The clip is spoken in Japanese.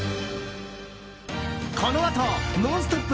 このあと「ノンストップ！」